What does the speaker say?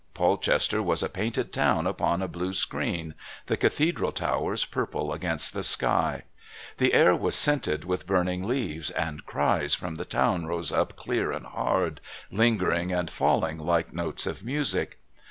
Polchester was a painted town upon a blue screen, the Cathedral towers purple against the sky; the air was scented with burning leaves, and cries from the town rose up clear and hard, lingering and falling like notes of music.